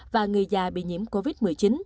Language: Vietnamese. và người già bị nhiễm covid một mươi chín